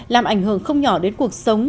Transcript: làm ảnh hưởng không nhỏ đến cuộc sống